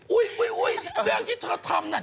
อุ๊ยเรื่องที่เธอทำน่ะ